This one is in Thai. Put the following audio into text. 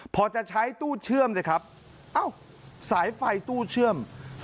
พอจะใช้ตู้เชื่อมสายไฟตู้เชื่อม